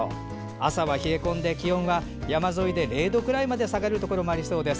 朝は冷え込んで気温は山沿いで０度くらいまで下がるところもありそうです。